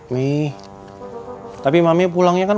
kita bisa menyebrangi sungai